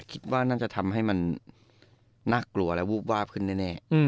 คิดว่านั่นจะทำให้มันน่ากลัวและวูบวาบขึ้นแน่